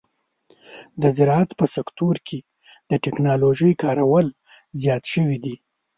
د زراعت په سکتور کې د ټکنالوژۍ کارول زیات شوي دي.